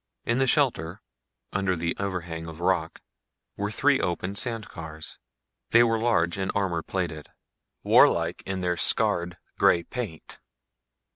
In this shelter, under the overhang of rock, were three open sand cars. They were large and armor plated, warlike in their scarred grey paint.